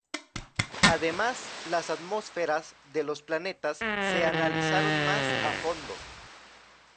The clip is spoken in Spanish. Además, las atmósferas de los planetas se analizaron más a fondo.